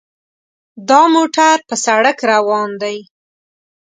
دا موټر په سړک روان دی.